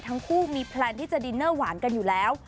ทั้งคู่มีแพลนที่จะดินเนอร์หวานกันอยู่แล้ว